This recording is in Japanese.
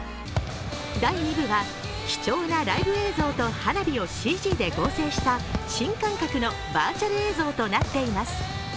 第２部は貴重なライブ映像と花火をＣＧ映像で構成した新感覚のバーチャル映像となっています。